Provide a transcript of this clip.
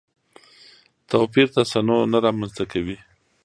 توپیر تصنع نه رامنځته کوي.